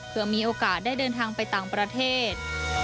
เพื่อมีโอกาสได้เดินทางไปต่างประเทศ